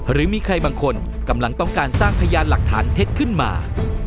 หรือมีใครบางคนกำลังต้องการสร้างพยานหลักฐานเท็จขึ้นมา